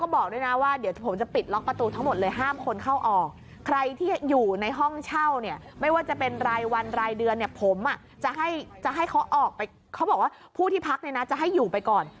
บอกว่าผู้ที่พักในนั้นจะให้อยู่ไปก่อน